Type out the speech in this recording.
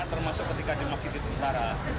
termasuk ketika dia masih di tentara